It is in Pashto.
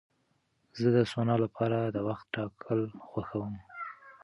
زه د سونا لپاره د وخت ټاکل خوښوم.